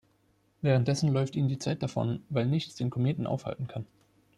Währenddessen läuft ihnen die Zeit davon, weil nichts den Kometen aufhalten kann.